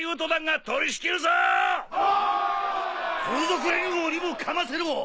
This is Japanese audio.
空賊連合にもかませろ！